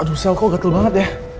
aduh sel kok gatel banget ya